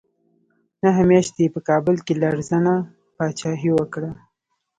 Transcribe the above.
نهه میاشتې یې په کابل کې لړزانه پاچاهي وکړه.